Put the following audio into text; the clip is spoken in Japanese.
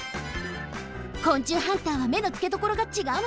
昆虫ハンターはめのつけどころがちがうのね。